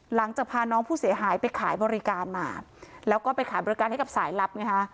หลังจากพาน้องผู้เสียหายไปขายบริการมาแล้วก็ไปขายบริการให้กับสายลับไงฮะ